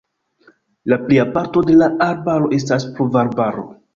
La plia parto de la arbaro estas pluvarbaro.